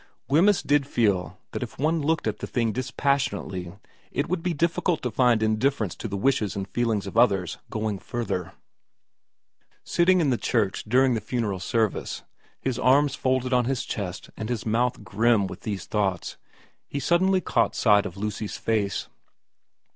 Wemyss did feel that if one looked at the thing dis passionately it would be difficult to find indifference to the wishes and feelings of others going further. Sitting in the church during the funeral service, his arms folded on his chest and his mouth grim with these thoughts, he suddenly caught sight of Lucy's face.